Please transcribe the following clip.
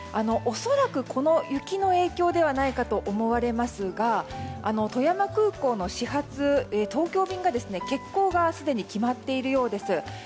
恐らくこの雪の影響ではないかと思われますが富山空港の始発、東京便が欠航がすでに決まっているようです。